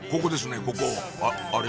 ここあれ？